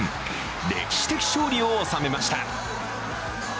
歴史的勝利を収めました。